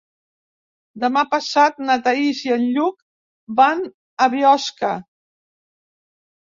Demà passat na Thaís i en Lluc van a Biosca.